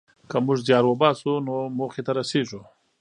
که موږ زیار وباسو نو موخې ته رسېږو.